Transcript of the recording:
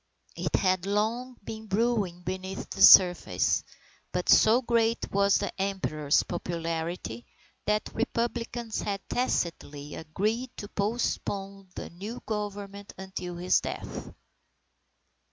It had long been brewing beneath the surface, but so great was the Emperor's popularity that Republicans had tacitly agreed to postpone the new Government until his death.